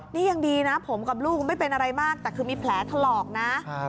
นี่ยังดีนะผมกับลูกไม่เป็นอะไรมากแต่คือมีแผลถลอกนะ